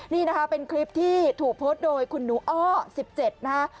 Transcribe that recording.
นี่นะคะเป็นคลิปที่ถูกโพสต์โดยคุณหนูอ้อ๑๗นะฮะ